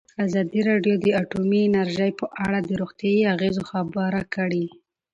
ازادي راډیو د اټومي انرژي په اړه د روغتیایي اغېزو خبره کړې.